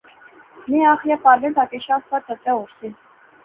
میں آخیا، پارلے ٹہا کے شاہ سوار چچا اور سے